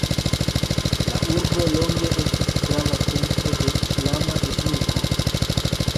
La urbo longe estis grava centro de islama eduko.